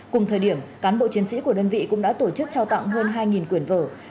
cùng thời điểm cán bộ chiến sĩ của đơn vị cũng đã tổ chức trao tặng hơn hai quyển vở